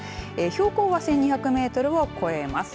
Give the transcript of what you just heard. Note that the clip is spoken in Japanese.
標高は１２００メートルを超えます。